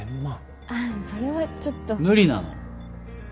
それはちょっと無理なの？